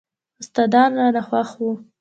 استادان رانه خوښ وو.